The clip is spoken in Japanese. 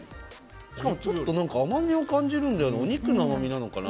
しかもちょっとなんか甘みを感じるんだよな、お肉の甘みなのかな。